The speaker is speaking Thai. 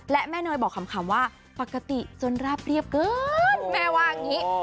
และแม่เนยบอกขำว่าปกติจนราบเรียบเกินแม่ว่าอย่างนี้